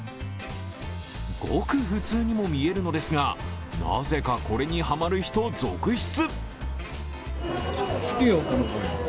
ごく普通にも見えるのですがなぜかこれにハマる人続出。